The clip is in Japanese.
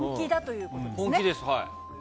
本気です。